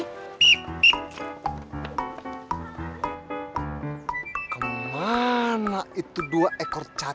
kemana itu dulu ya